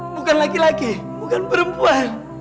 bukan laki laki bukan perempuan